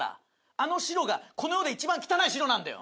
あの白がこの世でいちばん汚い白なんだよ。